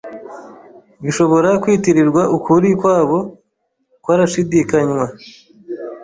bishobora kwitirirwa ukuri kwabo kwarashidikanywa